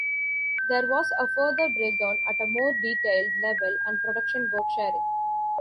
There was a further breakdown at a more detailed level and production worksharing.